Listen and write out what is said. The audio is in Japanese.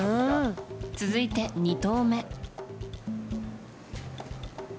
続いて２投目。